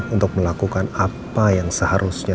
untuk melakukan apa yang seharusnya